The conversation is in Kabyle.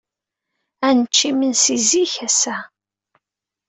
Ad nečč imensi zik ass-a.